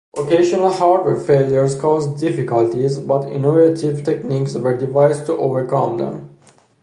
Occasional hardware failures caused difficulties, but innovative techniques were devised to overcome them.